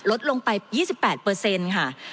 ลดลงไป๒๘เปอร์เซ็นต์ค่ะ